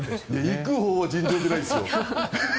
行くほうは尋常じゃないですよ。